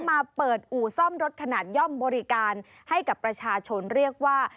มาเปิดอู่ซ่อมรถขนาดย่อมบริการให้กับประชาชนเรียกว่า